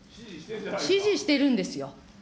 指示してるんですよ。